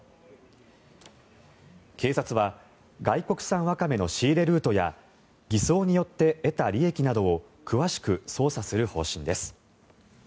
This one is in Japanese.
警察は外国産ワカメの仕入れルートや偽装によって得た利益などを詳しく捜査する方針です。